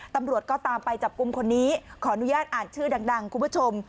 ตำรวจก็ตามไปจับกลุ่มคนนี้ขออนุญาตอ่านชื่อดังคุณผู้ชม